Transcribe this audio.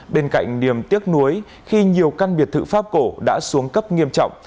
bên cạnh niềm tiếc nuối khi nhiều căn biệt thự pháp cổ đã xuống cấp nghiêm trọng